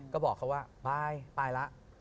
ก็บอกเขาว่าไปไปแล้ว